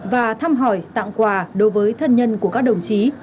và thăm hỏi tặng quà đối với thân nhân của các đồng chí